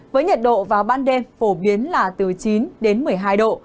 với nhiệt độ vào ban đêm phổ biến là từ chín đến một mươi hai độ